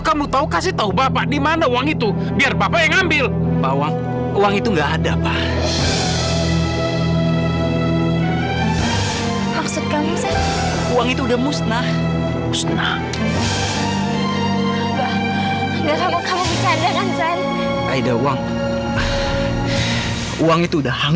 sampai jumpa di video selanjutnya